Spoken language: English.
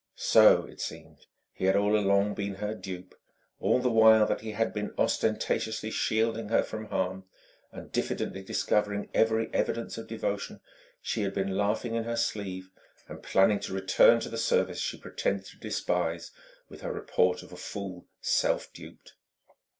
So, it seemed, he had all along been her dupe; all the while that he had been ostentatiously shielding her from harm and diffidently discovering every evidence of devotion, she had been laughing in her sleeve and planning to return to the service she pretended to despise, with her report of a fool self duped.